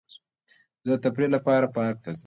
زه د تفریح لپاره پارک ته ځم.